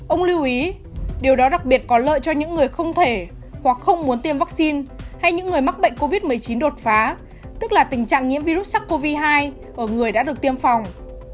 ông lưu ý điều đó đặc biệt có lợi cho những người không thể hoặc không muốn tiêm vaccine hay những người mắc bệnh covid một mươi chín đột phá tức là tình trạng nhiễm virus sars cov hai ở người đã được tiêm phòng